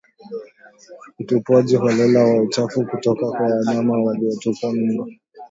Utupwaji holela wa uchafu kutoka kwa wanyama waliotupa mimba